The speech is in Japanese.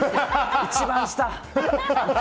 一番下！